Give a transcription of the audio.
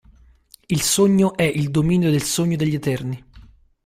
Il Sogno è il dominio del Sogno degli Eterni.